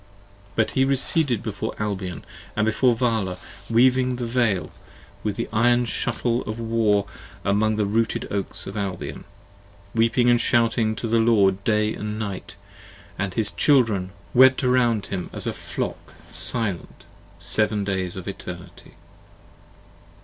86 60 But he receded before Albion, & before Vala weaving the Veil With the iron shuttle of War among the rooted Oaks of Albion: Weeping & shouting to the Lord day & night; and his Children 63 Wept round him as a flock silent Seven Days of Eternity.